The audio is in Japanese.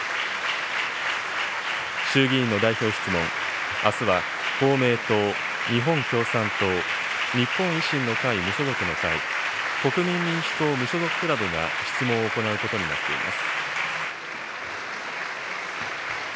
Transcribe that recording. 衆議院の代表質問、あすは公明党、日本共産党、日本維新の会・無所属の会、国民民主党・無所属クラブが質問を行うことになっています。